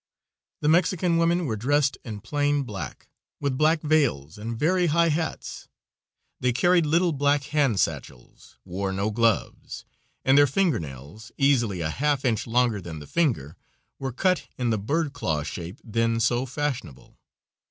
The Mexican women were dressed in plain black, with black veils and very high hats; they carried little black hand sachels, wore no gloves, and their fingernails, easily a half inch longer than the finger, were cut in the bird claw shape then so fashionable.